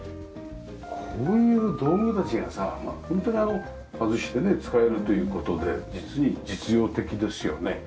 こういう道具たちがさホントに外して使えるという事で実に実用的ですよね。